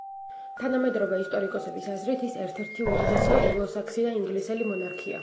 თანამედროვე ისტორიკოსების აზრით ის ერთ-ერთი უდიდესი ანგლო-საქსი და ინგლისელი მონარქია.